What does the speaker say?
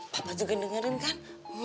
papa juga dengerin kan